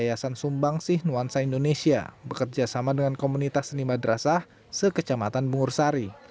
dan juga oleh karyasan sumbang sih nuansa indonesia bekerjasama dengan komunitas seni madrasah sekecamatan bungur sari